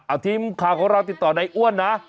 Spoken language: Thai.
เอาทีมข่าวของเราติดต่อในอ้วนนะ